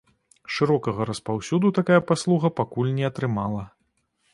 Шырокага распаўсюду такая паслуга пакуль не атрымала.